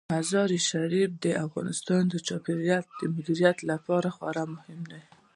مزارشریف د هیواد د چاپیریال د مدیریت لپاره خورا مهم دی.